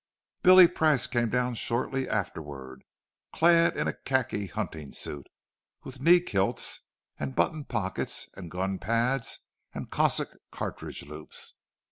Billy Price came down shortly afterward, clad in a khaki hunting suit, with knee kilts and button pockets and gun pads and Cossack cartridge loops.